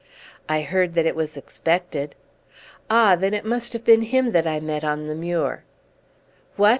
"I heard that it was expected." "Ah! then it must have been him that I met on the muir." "What!